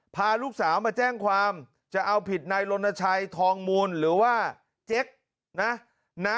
พาลูกสาวมาแจ้งความจะเอาผิดนายลนชัยทองมูลหรือว่าเจ๊กนะ